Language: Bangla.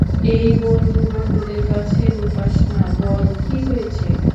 এই বন্ধু বন্ধুদের কাছে লুকাস না, বল কি হয়েছে?